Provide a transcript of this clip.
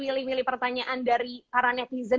milih milih pertanyaan dari para netizen